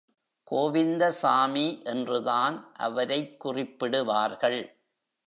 கோவிந்தசாமி என்றுதான் அவரைக் குறிப்பிடுவார்கள்.